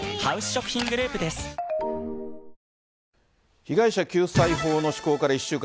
被害者救済法の施行から１週間。